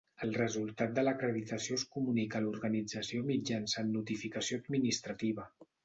El resultat de l'acreditació es comunica a l'organització mitjançant notificació administrativa.